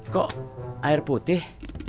kok air putih